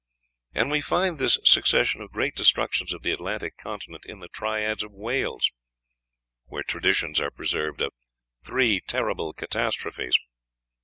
And we find this succession of great destructions of the Atlantic continent in the triads of Wales, where traditions are preserved of "three terrible catastrophes."